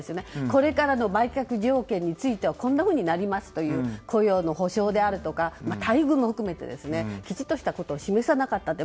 これからの売却条件についてはこんなふうになりますとか雇用の保証だとか待遇も含めてきちっとしたことを示さなかったって。